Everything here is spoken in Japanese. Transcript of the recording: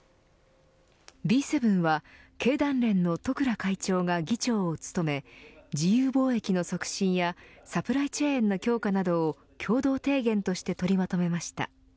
Ｂ７は経団連の十倉会長が議長を務め自由貿易の促進やサプライチェーンの強化などを共同提言として取りまとめました。